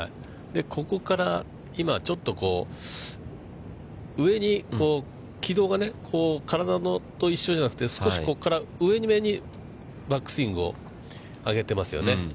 ここから、今ちょっとこう、軌道が体と一緒じゃなくて、少しここから上めにバックスイングを上げてますよね。